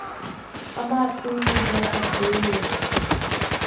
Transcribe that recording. Amah cu mi dawh a si.